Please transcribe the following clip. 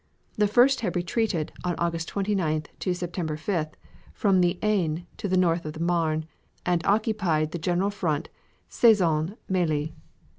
The first had retreated, on August 29th to September 5th, from the Aisne to the north of the Marne and occupied the general front Sezanne Mailly.